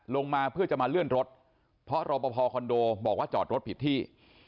ลงมาเพื่อจะมาเลื่อนรถเพราะรอปภคอนโดบอกว่าจอดรถผิดที่